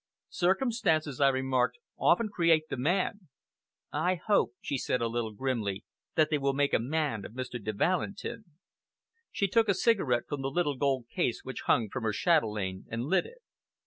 "Circumstances," I remarked, "often create the man!" "I hope," she said a little grimly, "that they will make a man of Mr. de Valentin." She took a cigarette from the little gold case which hung from her chatelaine, and lit it.